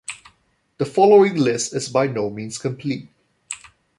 The following list is by no means complete.